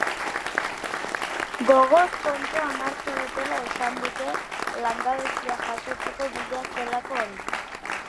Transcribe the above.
Gogoz kontra onartu dutela esan dute, langabezia jasotzeko bidea zelako hori.